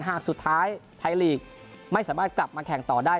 หากสุดท้ายไทยลีกไม่สามารถกลับมาแข่งต่อได้